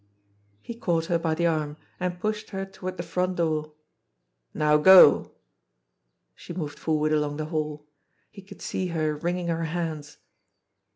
He caught her by the arm, and pushed her toward the front door. "Now go !" She moved forward along the hall. He could see her wringing her hands.